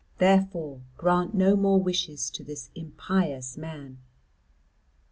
Therefore grant no more wishes to this impious man."